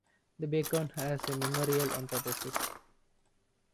The beacon has a memorial on top of it.